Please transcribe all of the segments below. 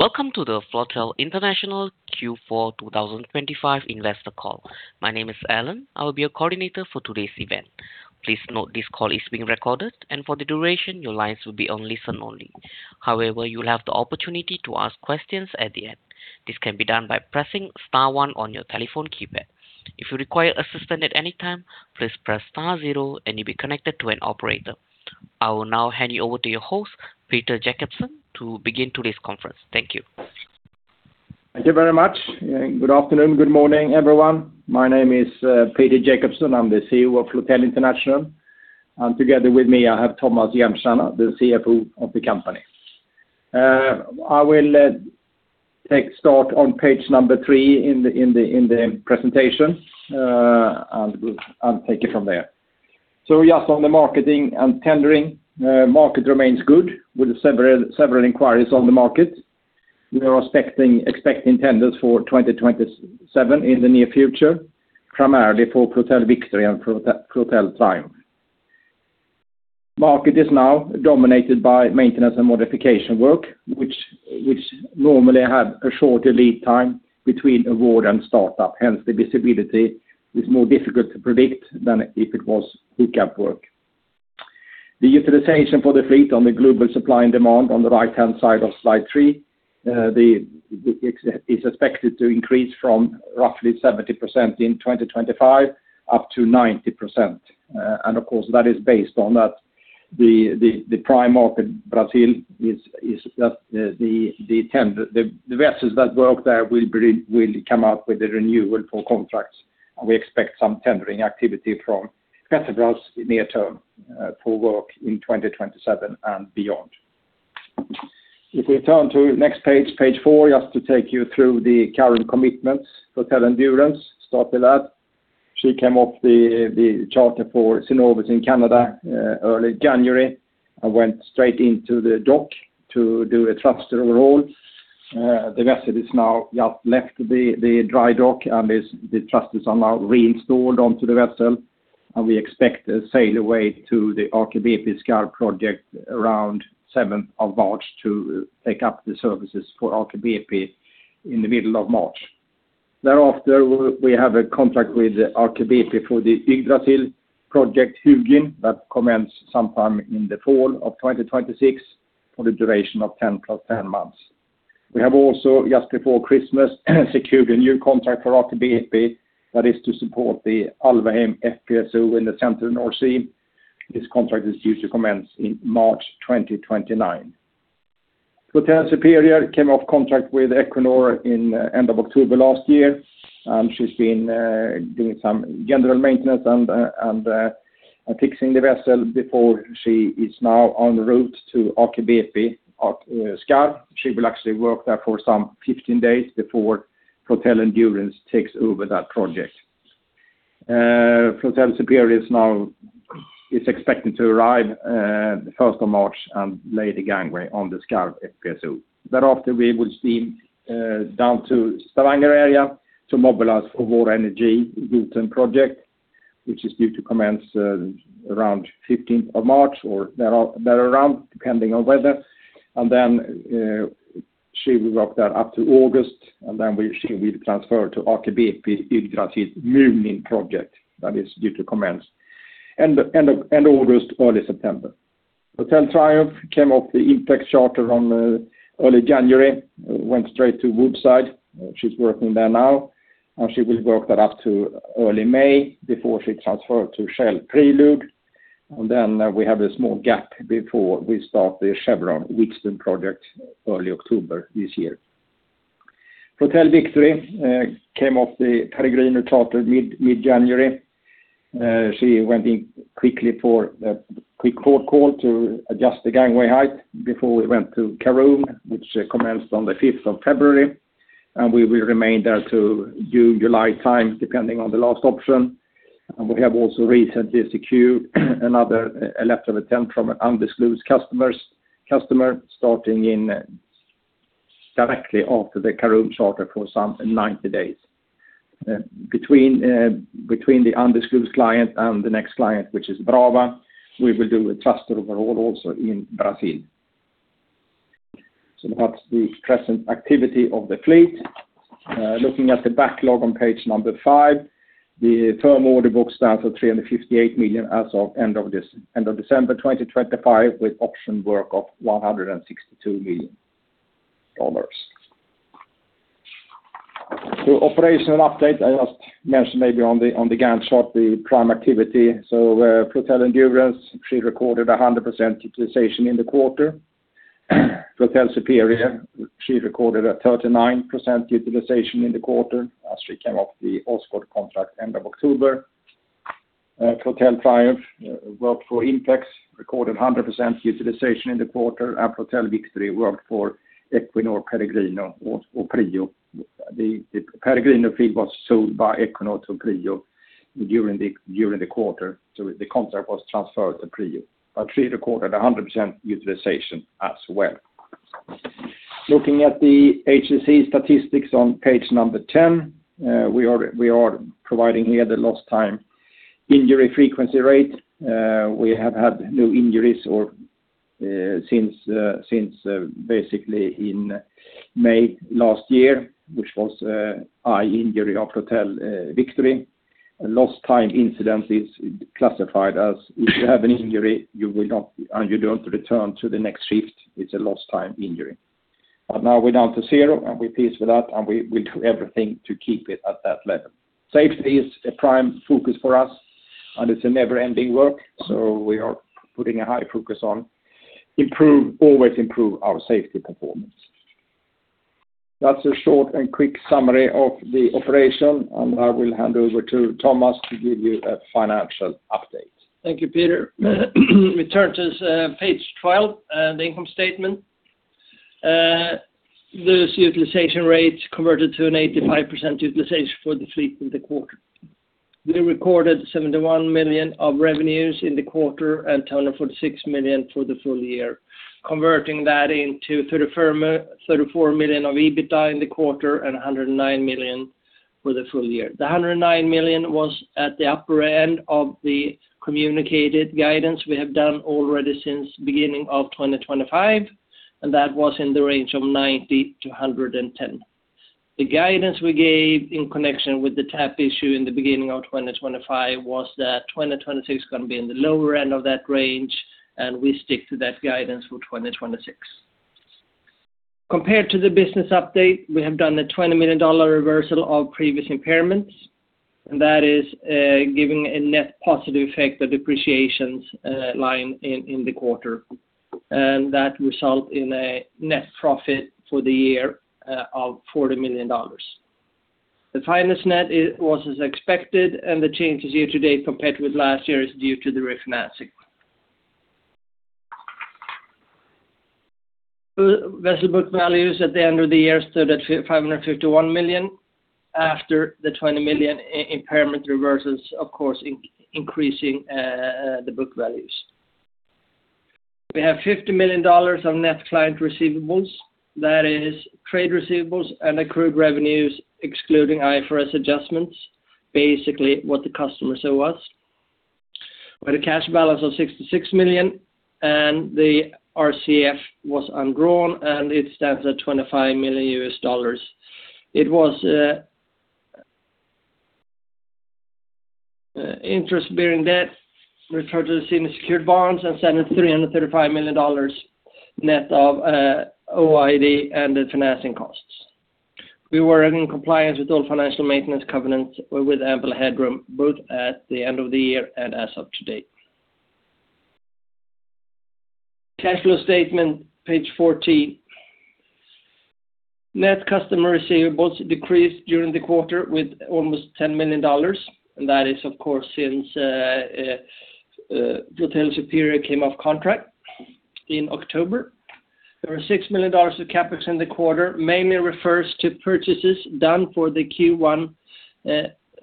Welcome to the Floatel International Q4 2025 investor call. My name is Alan. I will be your coordinator for today's event. Please note this call is being recorded, and for the duration, your lines will be on listen only. However, you will have the opportunity to ask questions at the end. This can be done by pressing star one on your telephone keypad. If you require assistance at any time, please press star zero, and you'll be connected to an operator. I will now hand you over to your host, Peter Jacobsson, to begin today's conference. Thank you. Thank you very much, and good afternoon, good morning, everyone. My name is Peter Jacobsson. I'm the CEO of Floatel International, and together with me, I have Tomas Hjelmström, the CFO of the company. I will take start on page number three in the presentation and take it from there. Just on the marketing and tendering, market remains good, with several inquiries on the market. We are expecting tenders for 2027 in the near future, primarily for Floatel Victory and Floatel Triumph. Market is now dominated by maintenance and modification work, which normally have a shorter lead time between award and startup. Hence, the visibility is more difficult to predict than if it was pick-up work. The utilization for the fleet on the global supply and demand on the right-hand side of slide three, the ex- is expected to increase from roughly 70% in 2025 up to 90%. Of course, that is based on that the prime market, Brazil, is that the vessels that work there will bring, will come out with a renewal for contracts, and we expect some tendering activity from Petrobras in the near term for work in 2027 and beyond. If we turn to next page four, just to take you through the current commitments. Floatel Endurance, start with that. She came off the charter for Cenovus in Canada early January and went straight into the dock to do a thruster overhaul. The vessel is now just left the dry dock, and the thrusters are now reinstalled onto the vessel, and we expect a sail away to the Aker BP Skarv project around 7th of March to take up the services for Aker BP in the middle of March. Thereafter, we have a contract with Aker BP for the Yggdrasil project, Huginn, that commenced sometime in the fall of 2026 for the duration of 10 plus 10 months. We have also, just before Christmas, secured a new contract for Aker BP that is to support the Alvheim FPSO in the central North Sea. This contract is due to commence in March 2029. Floatel Superior came off contract with Equinor in end of October last year, and she's been doing some general maintenance and fixing the vessel before she is now on the route to Aker BP Skarv. She will actually work there for some 15 days before Floatel Endurance takes over that project. Floatel Superior is now, is expected to arrive the 1st of March and lay the gangway on the Skarv FPSO. Thereafter, we will steam down to Stavanger area to mobilize for Vår Energi driven project, which is due to commence around 15th of March or there around, depending on weather. She will work there up to August, and then she will transfer to Aker BP Yggdrasil Munin project. That is due to commence end of August, early September. Floatel Triumph came off the INPEX charter early January, went straight to Woodside. She's working there now, she will work there up to early May before she transfer to Shell Prelude. We have a small gap before we start the Chevron Wheatstone project early October this year. Floatel Victory came off the Peregrino charter mid-January. She went in quickly for a quick port call to adjust the gangway height before we went to Karoon, which commenced on the fifth of February, we will remain there to June, July time, depending on the last option. We have also recently secured another letter of intent from an undisclosed customer, starting directly after the Karoon charter for some 90 days. Between the undisclosed client and the next client, which is Brava, we will do a thruster overhaul also in Brazil. That's the present activity of the fleet. Looking at the backlog on page number five, the firm order book stands at $358 million as of end of December 2025, with option work of $162 million. Operational update, I just mentioned maybe on the, on the Gantt chart, the prime activity. Floatel Endurance, she recorded 100% utilization in the quarter. Floatel Superior, she recorded 39% utilization in the quarter as she came off the Osprey contract end of October. Floatel Triumph worked for INPEX, recorded 100% utilization in the quarter, and Floatel Victory worked for Equinor Peregrino or PRIO. The Peregrino fleet was sold by Equinor to PRIO during the quarter, so the contract was transferred to PRIO. She recorded 100% utilization as well. Looking at the HSE statistics on page number 10, we are providing here the Lost Time Injury Frequency Rate, we have had no injuries or since basically in May last year, which was eye injury of Floatel Victory. A lost time incident is classified as if you have an injury, you will not, and you don't return to the next shift, it's a lost time injury. Now we're down to zero, and we're pleased with that, and we do everything to keep it at that level. Safety is a prime focus for us, and it's a never-ending work, so we are putting a high focus on always improve our safety performance. That's a short and quick summary of the operation, and I will hand over to Tomas to give you a financial update. Thank you, Peter. We turn to page 12, the income statement. Loose utilization rates converted to an 85% utilization for the fleet in the quarter. We recorded $71 million of revenues in the quarter, and $246 million for the full year, converting that into $34 million of EBITDA in the quarter and $109 million for the full year. The $109 million was at the upper end of the communicated guidance we have done already since beginning of 2025, and that was in the range of $90 million-$110 million. The guidance we gave in connection with the tap issue in the beginning of 2025 was that 2026 is gonna be in the lower end of that range, and we stick to that guidance for 2026. Compared to the business update, we have done a $20 million reversal of previous impairments, and that is giving a net positive effect, the depreciations line in the quarter. That result in a net profit for the year of $40 million. The finance net was as expected, and the changes year to date, compared with last year, is due to the refinancing. Vessel book values at the end of the year stood at $551 million, after the $20 million impairment reverses, of course, increasing the book values. We have $50 million of net client receivables. That is, trade receivables and accrued revenues, excluding IFRS adjustments, basically, what the customer say was. We had a cash balance of $66 million, and the RCF was undrawn, and it stands at $25 million. It was interest-bearing debt referred to the senior secured bonds and stands at $335 million, net of OID and the financing costs. We were in compliance with all financial maintenance covenants, with ample headroom, both at the end of the year and as of to date. Cash flow statement, page 14. Net customer receivables decreased during the quarter with almost $10 million, and that is, of course, since Floatel Superior came off contract in October. There were $6 million of CapEx in the quarter, mainly refers to purchases done for the Q1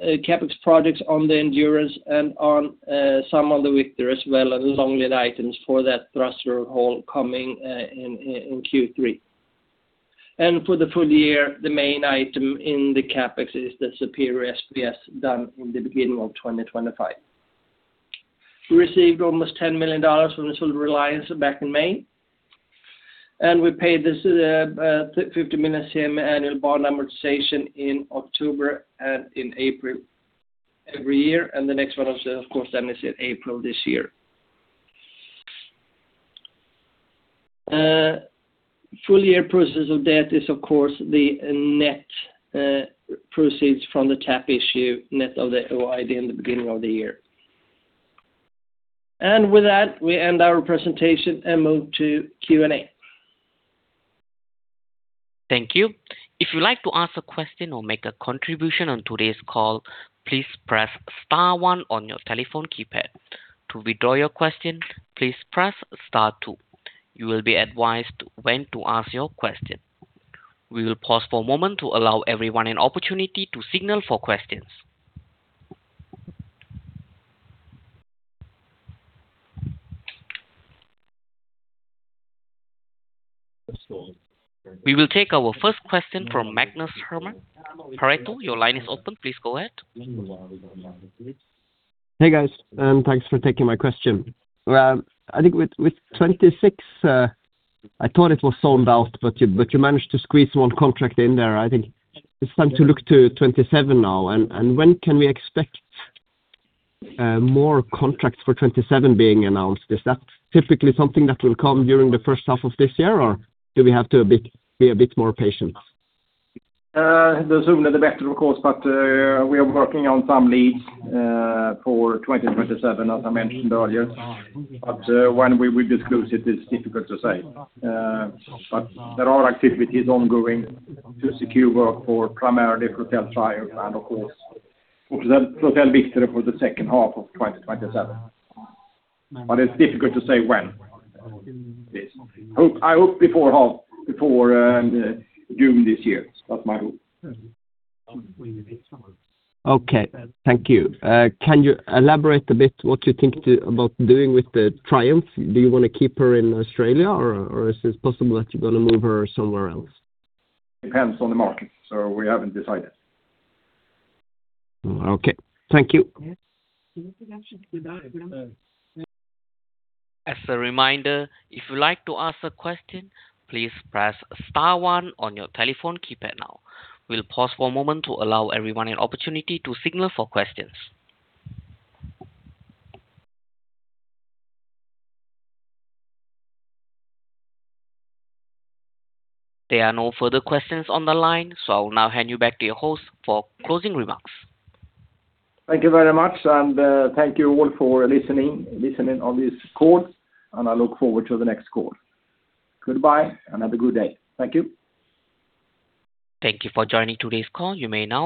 CapEx projects on the Floatel Endurance and on some on the Floatel Victory as well, and long lead items for that thruster overhaul coming in Q3. For the full year, the main item in the CapEx is the Superior SPS done in the beginning of 2025. We received almost $10 million from this reliance back in May, and we paid this $50 million semi-annual bond amortization in October and in April, every year, and the next one is, of course, then is in April this year. Full year proceeds of debt is, of course, the net proceeds from the tap issue, net of the OID in the beginning of the year. With that, we end our presentation and move to Q&A. Thank you. If you'd like to ask a question or make a contribution on today's call, please press star one on your telephone keypad. To withdraw your question, please press star two. You will be advised when to ask your question. We will pause for a moment to allow everyone an opportunity to signal for questions. We will take our first question from Magnus Herman, Corecto. Your line is open. Please go ahead. Hey, guys, thanks for taking my question. I think with 2026, I thought it was sold out, but you managed to squeeze one contract in there. I think it's time to look to 2027 now. When can we expect more contracts for 2027 being announced? Is that typically something that will come during the first half of this year, or do we have to be a bit more patient? The sooner the better, of course, but we are working on some leads for 2027, as I mentioned earlier. When we will disclose it, is difficult to say. There are activities ongoing to secure work for primarily Floatel Triumph and, of course, for the Floatel Victory for the second half of 2027. It's difficult to say when. Yes. I hope before half, before June this year. That's my hope. Okay, thank you. Can you elaborate a bit what you think about doing with the Floatel Triumph? Do you want to keep her in Australia, or is it possible that you're gonna move her somewhere else? Depends on the market, so we haven't decided. Okay, thank you. As a reminder, if you'd like to ask a question, please press star one on your telephone keypad now. We'll pause for a moment to allow everyone an opportunity to signal for questions. There are no further questions on the line, so I'll now hand you back to your host for closing remarks. Thank you very much, and, thank you all for listening on this call, and I look forward to the next call. Goodbye, and have a good day. Thank you. Thank you for joining today's call. You may now disconnect.